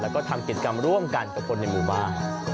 แล้วก็ทำกิจกรรมร่วมกันกับคนในหมู่บ้าน